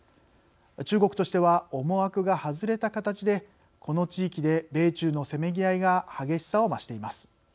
中国としては思惑が外れた形でこの地域で米中のせめぎ合いが激しさを増しています。